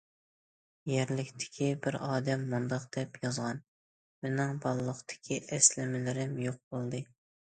يەرلىكتىكى بىر ئادەم مۇنداق دەپ يازغان: مېنىڭ بالىلىقتىكى ئەسلىمىلىرىم يوق بولدى.